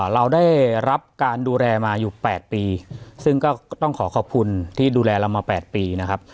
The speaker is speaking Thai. เราได้รับการดูแลมาอยู่๘ปีซึ่งก็ต้องขอขอบคุณที่ดูแลเรามา๘ปีนะครับ